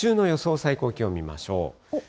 最高気温見ましょう。